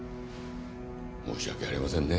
申し訳ありませんね。